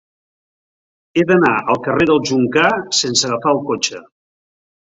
He d'anar al carrer del Joncar sense agafar el cotxe.